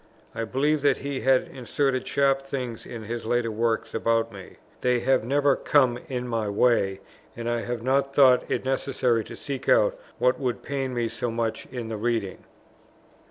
I believe that he has inserted sharp things in his later works about me. They have never come in my way, and I have not thought it necessary to seek out what would pain me so much in the reading.